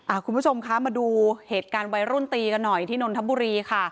คุณผู้ชมคะมาดูเหตุการณ์วัยรุ่นตีกันหน่อยที่นนทบุรีค่ะ